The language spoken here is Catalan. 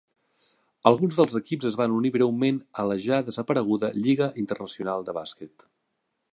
Alguns dels seus equips es van unir breument a la ja desapareguda Lliga Internacional de Bàsquet.